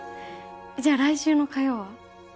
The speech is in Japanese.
じゃあ来週の火曜は？